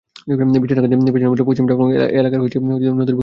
বিছনাকান্দি পেছনে ফেলে পশ্চিম জাফলং এলাকার পিয়াইন নদীর বুক দিয়ে নৌকা ছুটে চলেছে।